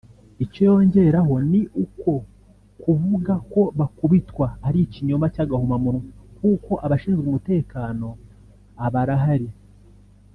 Icyo yongeraho ni uko kuvuga ko baakubitwa ari ikinyoma cy’agahomamunwa kuko abashinzwe umutekano abarahari